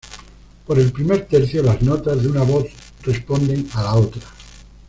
Por el primer tercio, las notas de una voz responden a la otra.